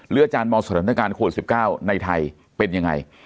อาจารย์มองสถานการณ์โควิด๑๙ในไทยเป็นยังไง